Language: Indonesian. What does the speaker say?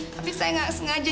tapi saya gak sengaja